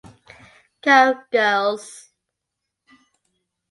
Code Girls